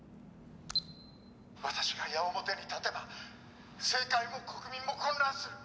「私が矢面に立てば政界も国民も混乱する」